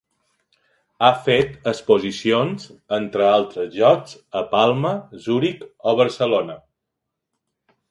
Ha fet exposicions, entre altres llocs, a Palma, Zuric o Barcelona.